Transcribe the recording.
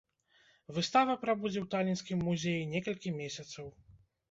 Выстава прабудзе ў талінскім музеі некалькі месяцаў.